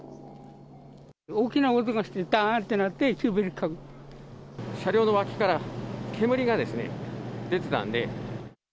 大きな音がして、ばーんって車両の脇から煙がですね、出てたんで。